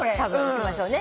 いきましょうね。